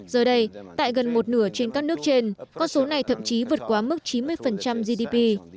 giờ đây tại gần một nửa trên các nước trên con số này thậm chí vượt quá mức chín mươi gdp